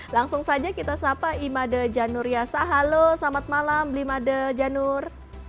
langsung saja kita sapa imade janur yasa halo selamat malam imade janur